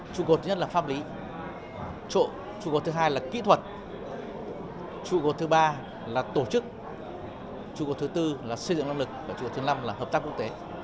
trụ cột thứ nhất là pháp lý trụ cột thứ hai là kỹ thuật trụ cột thứ ba là tổ chức trụ cột thứ tư là xây dựng năng lực và trụ cột thứ năm là hợp tác quốc tế